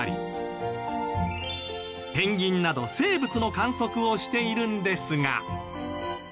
ペンギンなど生物の観測をしているんですが。